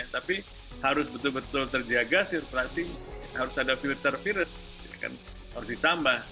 tapi harus betul betul terjaga sirkulasi harus ada filter virus harus ditambah